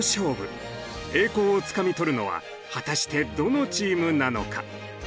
栄光をつかみ取るのは果たしてどのチームなのか！